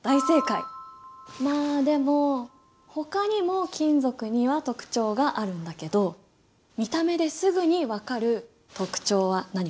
まあでもほかにも金属には特徴があるんだけど見た目ですぐに分かる特徴は何かな？